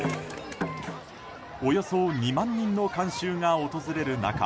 およそ２万人の観衆が訪れる中